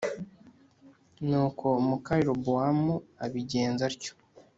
Nuko muka Yerobowamu abigenza atyo